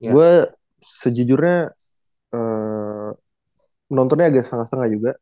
gue sejujurnya menontonnya agak setengah setengah juga